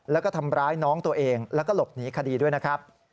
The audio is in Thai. แล้วก็ทำร้ายน้องตัวเองแล้วก็หลบหนีคดีด้วยนะครับ